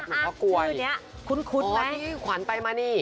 อะชื่อนี้คุ้นนะอ๋อที่ขวัญไปมานี่